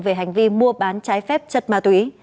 về hành vi mua bán trái phép chất ma túy